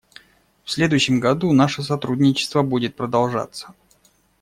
В следующем году наше сотрудничество будет продолжаться.